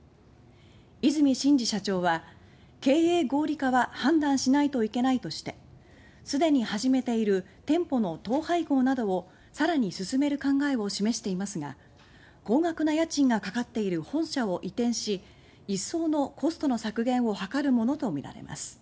和泉伸司社長は「経営合理化は判断しないといけない」としてすでに始めている店舗の統廃合などを更に進める考えを示していますが高額な家賃がかかっている本社を移転し一層のコストの削減を図るものとみられます。